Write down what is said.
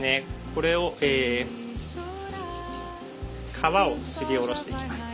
これを皮をすりおろしていきます。